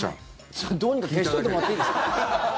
それ、どうにか消しといてもらっていいですか？